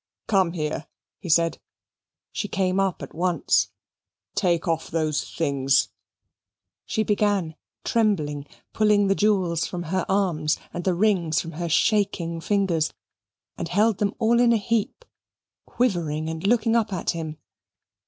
"Come here," he said. She came up at once. "Take off those things." She began, trembling, pulling the jewels from her arms, and the rings from her shaking fingers, and held them all in a heap, quivering and looking up at him.